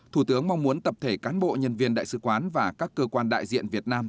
thủ tướng mong muốn tập thể cán bộ nhân viên đại sứ quán và các cơ quan đại diện việt nam